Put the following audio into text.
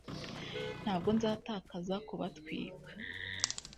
Ntabwo nzatakaza kubatwika